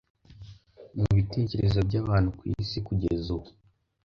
mubitekerezo byabantu ku isi kugeza ubu